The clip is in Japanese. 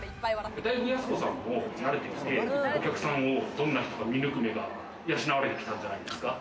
だいぶやす子さんも慣れてきて、お客さんをどんな人かを見抜く目が養われてきたんじゃないですか？